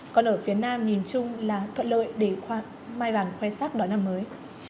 còn ở phía nam nhìn chung là thuận lợi để khoai sắc vào năm mới